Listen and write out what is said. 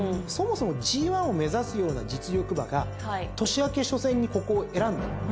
そもそもＧⅠを目指すような実力馬が年明け初戦にここを選んだ。